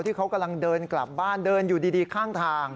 ที่เขากำลังเดินกลับบ้านเดินอยู่ดีข้างทาง